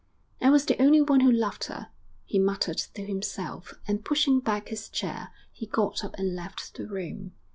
'I was the only one who loved her,' he muttered to himself, and pushing back his chair he got up and left the room.